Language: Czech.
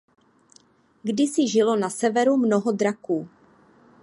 Kdysi žilo na severu mnoho draků.